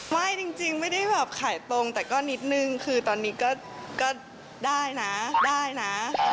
ไม่จริงไม่ได้แบบขายตรงแต่ก็นิดนึงคือตอนนี้ก็ได้นะได้นะ